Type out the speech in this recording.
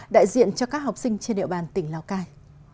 đại diện cho các học sinh trên địa bàn tỉnh lào cai